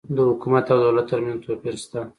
د حکومت او دولت ترمنځ توپیر سته